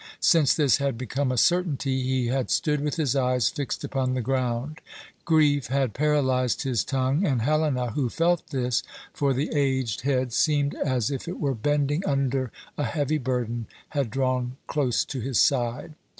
Since this had become a certainty, he had stood with his eyes fixed upon the ground. Grief had paralyzed his tongue, and Helena, who felt this, for the aged head seemed as if it were bending under a heavy burden, had drawn close to his side.